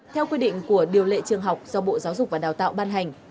theo quy định của điều lệ trường học do bộ giáo dục và đào tạo ban hành